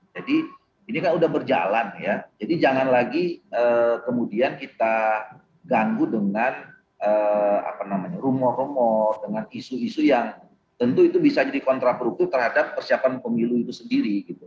ini kan udah berjalan ya jadi jangan lagi kemudian kita ganggu dengan rumor rumor dengan isu isu yang tentu itu bisa jadi kontraproduktif terhadap persiapan pemilu itu sendiri gitu